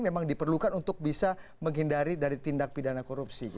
memang diperlukan untuk bisa menghindari dari tindak pidana korupsi